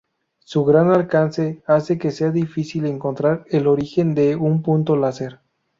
Su gran alcance hace que sea difícil encontrar el origen de un punto láser.